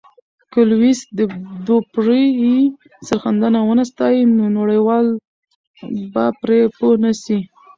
که لويس دوپري یې سرښندنه ونه ستایي، نو نړیوال به پرې پوه نه سي.